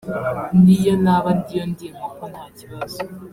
n’iyo naba ndiyo ndi inkoko nta kibazo